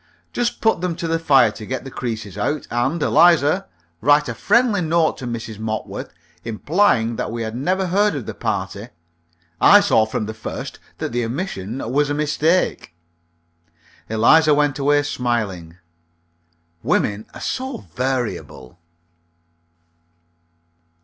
Just put them to the fire to get the creases out. And, Eliza, write a friendly note to Mrs. Mopworth, implying that we had never heard of the party. I saw from the first that the omission was a mistake." Eliza went away smiling. Women are so variable.